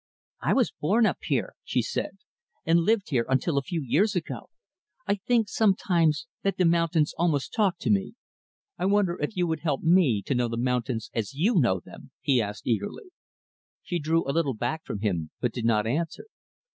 "I was born up here," she said, "and lived here until a few years ago. I think, sometimes, that the mountains almost talk to me." "I wonder if you would help me to know the mountains as you know them," he asked eagerly. She drew a little back from him, but did not answer.